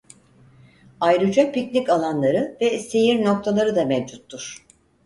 Ayrıca piknik alanları ve seyir noktaları da mevcuttur.